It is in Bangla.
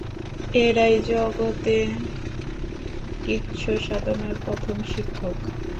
এরাই জগতে কৃচ্ছসাধনার প্রথম শিক্ষক।